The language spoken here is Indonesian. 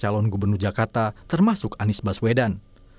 calon gubernur jakarta termasuk anies baswedan